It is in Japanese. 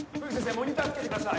モニターつけてください